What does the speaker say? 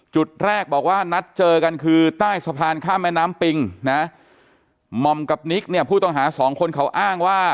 จุดแรกบอกว่านัดเจอกันคือใต้สะพานข้ามแม่น้ำปิงนะหม่อมกับนิกเนี่ยผู้ต้องหาสองคนเขาอ้างว่า